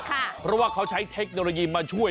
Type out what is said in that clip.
เพราะว่าเขาใช้เทคโนโลยีมาช่วย